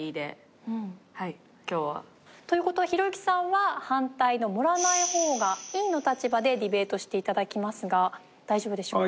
という事はひろゆきさんは反対の盛らない方がいいの立場でディベートして頂きますが大丈夫でしょうか？